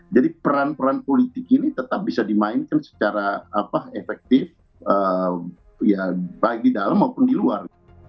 jadi peran peran politik ini tetap bisa dimainkan secara efektif baik di dalam maupun di luar